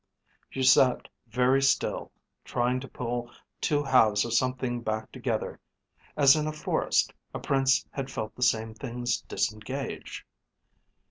She sat very still, trying to pull two halves of something back together (as in a forest, a prince had felt the same things disengage).